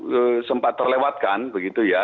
sempat terlewatkan begitu ya